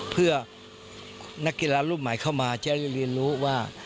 เพื่อนักกีฬารุ่นใหม่เข้ามาจะได้เรียนรู้ว่า